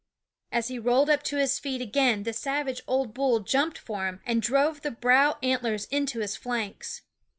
As he rolled up to his feet again the savage old bull jumped for him, and drove the brow antlers into his flanks.